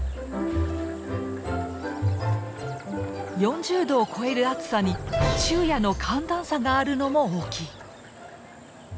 ４０度を超える暑さに昼夜の寒暖差があるのも大きい。